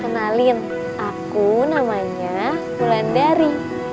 kenalin aku namanya bulan dari